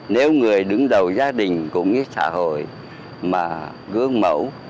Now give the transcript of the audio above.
nếu người đứng đầu gia đình cũng như xã hội mà gương mẫu